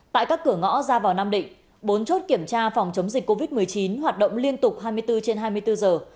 tại các cửa ngõ ra vào nam định bốn chốt kiểm tra phòng chống dịch covid một mươi chín hoạt động liên tục hai mươi bốn trên hai mươi bốn giờ